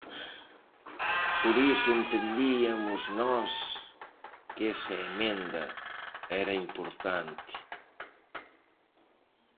Por iso entendiamos nós que esa emenda era importante.